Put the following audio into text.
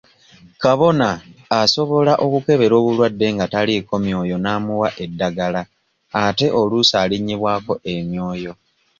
Kabona asobola okukebera obulwadde nga taliiko myoyo n'amuwa eddagala ate oluusi alinnyibwangako emyoyo.